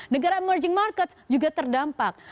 negara emerging market juga terdampak